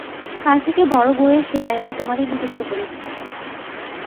কাল থেকে বড়োবউয়ের সেবায় আমি তোমাদের নিযুক্ত করে দিচ্ছি।